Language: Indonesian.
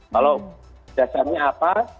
kalau dasarnya apa